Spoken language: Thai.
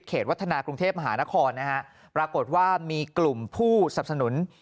วัฒนากรุงเทพมหานครนะฮะปรากฏว่ามีกลุ่มผู้สับสนุน